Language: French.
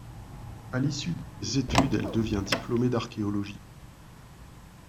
À l'issue de ses études, elle devient diplômée d'archéologie.